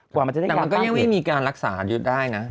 แต่มันก็ยังไม่มีการรักษาอยู่ได้นะ